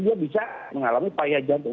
dia bisa mengalami payah jantung